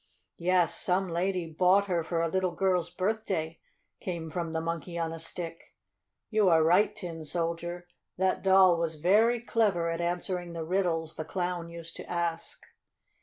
"Yes, some lady bought her for a little girl's birthday," came from the Monkey on a Stick. "You are right, Tin Soldier, that doll was very clever at answering the riddles the Clown used to ask."